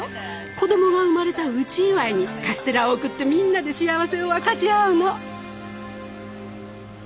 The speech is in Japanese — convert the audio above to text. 子供が生まれた内祝いにカステラを贈ってみんなで幸せを分かち合うの。